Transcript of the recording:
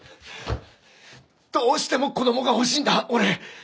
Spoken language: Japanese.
どうしても子供が欲しいんだ俺！